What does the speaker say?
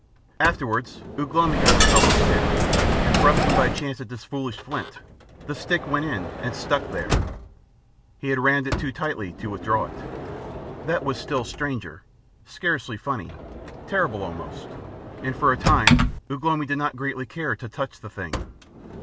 Afterwards, Ugh lomi got himself a stick, and thrusting by chance at this foolish flint, the stick went in and stuck there. He had rammed it in too tightly to withdraw it. That was still stranger scarcely funny, terrible almost, and for a time Ugh lomi did not greatly care to touch the thing.